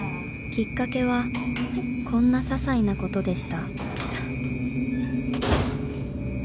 ［きっかけはこんなささいなことでした］